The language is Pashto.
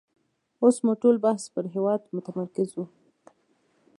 اوس مو ټول بحث پر هېواد متمرکز وو.